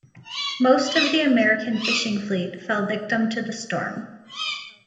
Most of the American fishing fleet fell victim to the storm.